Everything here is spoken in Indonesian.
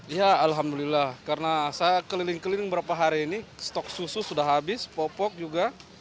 ya alhamdulillah karena saya keliling keliling beberapa hari ini stok susu sudah habis popok juga